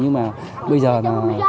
nhưng mà bây giờ là